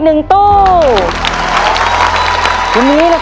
คุณฝนจากชายบรรยาย